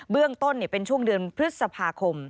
เรื่องต้นเป็นช่วงเดือนพฤษภาคม